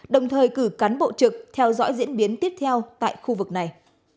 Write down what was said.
đồng thời cử cán bộ trực theo dõi diễn biến tiếp theo tại khu vực này